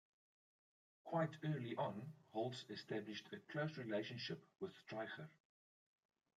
Quite early on, Holz established a close relationship with Streicher.